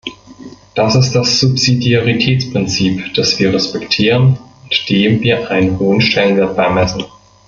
Das ist das Subsidiaritätsprinzip, das wir respektieren und dem wir einen hohen Stellenwert beimessen.